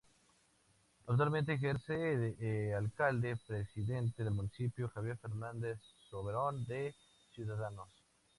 Actualmente ejerce de Alcalde-Presidente del municipio Javier Fernández Soberón, de Ciudadanos.